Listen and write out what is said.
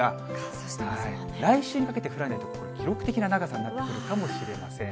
来週にかけて降らないと記録的な長さになってくるかもしれません。